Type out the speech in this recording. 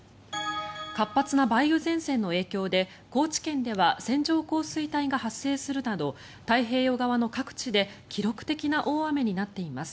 活発な梅雨前線の影響で高知県では線状降水帯が発生するなど太平洋側の各地で記録的な大雨になっています。